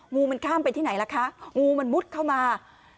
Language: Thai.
งูมันข้ามไปที่ไหนล่ะคะงูมันมุดเข้ามา